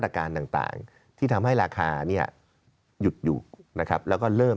แต่ว่ามันก็ต้องเรียนว่าข้าวเนี่ยยังไม่ได้ออก